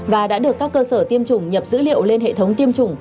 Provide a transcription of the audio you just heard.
và đã được các cơ sở tiêm chủng nhập dữ liệu lên hệ thống tiêm chủng